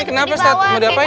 ini kenapa ustadz mau diapain